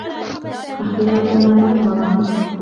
أَخْلَاقُ مَنْ سَبَرَهُ